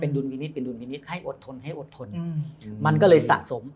ดุลวินิตเป็นดุลพินิษฐ์ให้อดทนให้อดทนมันก็เลยสะสม